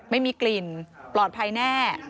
ไม่มีกลิ่นปลอดภัยแน่